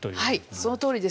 そのとおりです。